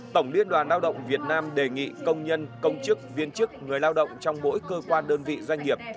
tổng liên đoàn lao động việt nam đề nghị công nhân công chức viên chức người lao động trong mỗi cơ quan đơn vị doanh nghiệp